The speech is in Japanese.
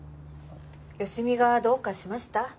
好美がどうかしました？